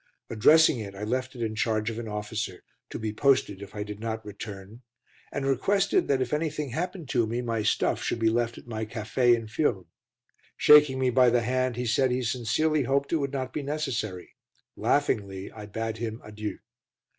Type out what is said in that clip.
Addressing it, I left it in charge of an officer, to be posted if I did not return, and requested that if anything happened to me my stuff should be left at my café in Furnes. Shaking me by the hand, he said he sincerely hoped it would not be necessary. Laughingly I bade him adieu.